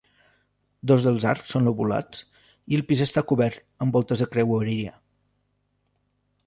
Dos dels arcs són lobulats, i el pis està cobert amb voltes de creueria.